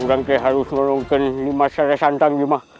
aku harus nolong lima cara santan